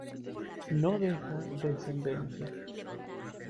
No deja descendencia.